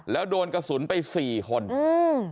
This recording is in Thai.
แล้วโดนกระสุนไปสี่คนอืม